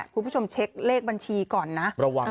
คุณผู้ชมเช็คเลขบัญชีก่อนนะ